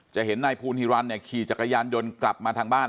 จะเห็นนายภูนฮิรันดิขี่จักรยานยนต์กลับมาทางบ้าน